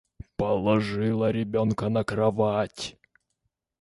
Положила ребенка на кровать.